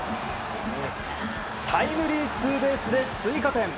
タイムリーツーベースで追加点。